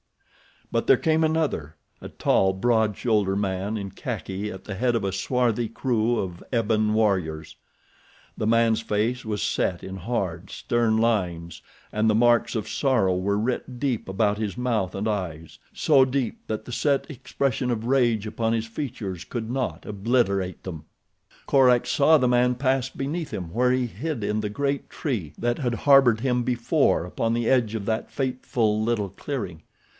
But there came another—a tall, broad shouldered man in khaki at the head of a swarthy crew of ebon warriors. The man's face was set in hard, stern lines and the marks of sorrow were writ deep about his mouth and eyes—so deep that the set expression of rage upon his features could not obliterate them. Korak saw the man pass beneath him where he hid in the great tree that had harbored him before upon the edge of that fateful little clearing.